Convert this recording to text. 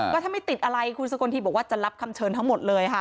ก็ถ้าไม่ติดอะไรคุณสกลทีบอกว่าจะรับคำเชิญทั้งหมดเลยค่ะ